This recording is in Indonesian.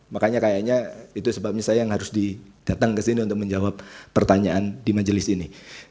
makanya kayaknya itu sebabnya saya yang harus didatang kesini untuk menjawab pertanyaan di majelis ini